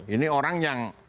ini orang yang